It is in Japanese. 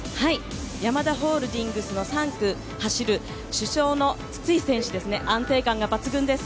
ヤマダホールディングスの３区を走る首相の筒井選手ですね、安定感が抜群です。